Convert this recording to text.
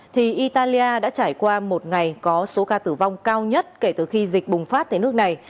thì italia đã trải qua một ngày có số ca tử vong cao nhất kể từ khi dịch bùng phát tại nước này